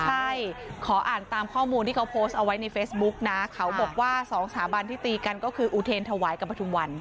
ใช่ขออ่านตามข้อมูลที่เขาโพสต์เอาไว้ในเฟซบุ๊กนะเขาบอกว่าสองสถาบันที่ตีกันก็คืออุเทรนถวายกับประทุมวัน